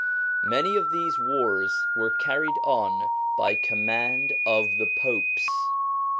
Many of these wars were carried on by command of the Popes.